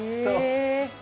え。